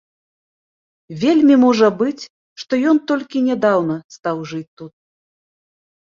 Вельмі можа быць, што ён толькі нядаўна стаў жыць тут.